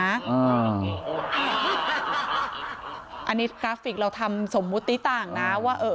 อันนี้กราฟิกเราทำสมมุติต่างนะว่า